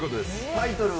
タイトルは？